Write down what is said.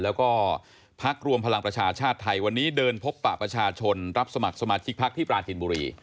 แล้วก็พักรวมพลังประชาชาติไทยวันนี้เดินพบปะประชาชนรับสมัครสมาชิกพักที่ปราจินบุรี